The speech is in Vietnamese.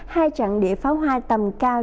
hai trận địa pháo hoa tầm cao